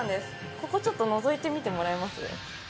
ここちょっとのぞいてみてもらえます？